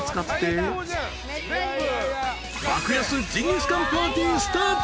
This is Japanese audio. ［爆安ジンギスカンパーティースタート］